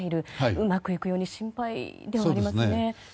うまくいくよう心配ではありますね。